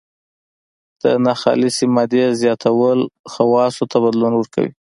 د ناخالصې مادې زیاتول خواصو ته بدلون ورکوي.